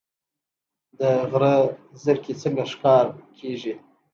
د غره زرکې څنګه ښکار کیږي؟